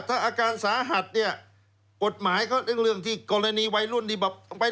ยังไงอาการสาหัดที่เขาว่ากันครับ